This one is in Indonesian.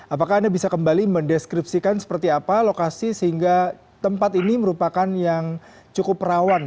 apakah anda bisa kembali mendeskripsikan seperti apa lokasi sehingga tempat ini merupakan yang cukup rawan